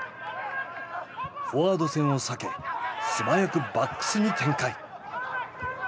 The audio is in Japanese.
フォワード戦を避け素早くバックスに展開。